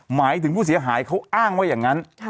หมายถึงผู้เสียหายเขาอ้างว่าอย่างนั้น